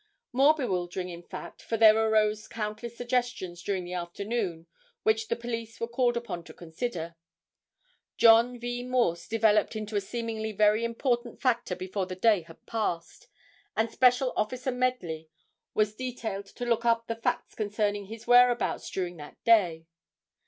More bewildering in fact, for there arose countless suggestions during the afternoon which the police were called upon to consider. John V. Morse developed into a seemingly very important factor before the day had passed, and special officer Medley was detailed to look up the facts concerning his whereabouts during that day.